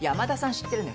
知ってるのよ